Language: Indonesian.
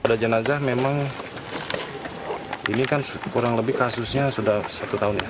pada jenazah memang ini kan kurang lebih kasusnya sudah satu tahun ya